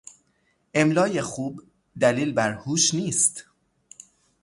املای خوب دلیل بر هوش نیست.